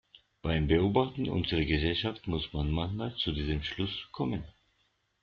Beim Beobachten unserer Gesellschaft muss man manchmal zu diesem Schluss kommen.